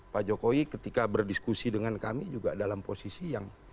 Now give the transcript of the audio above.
pak jokowi ketika berdiskusi dengan kami juga dalam posisi yang